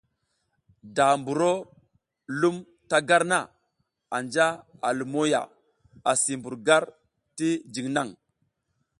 Da mburo lum ta gar na anja a lumo ya, asi mbur gar ti jiŋ naŋ.